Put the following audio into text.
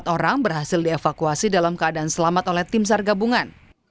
tiga puluh empat orang berhasil dievakuasi dalam keadaan selamat oleh tim sar gabungan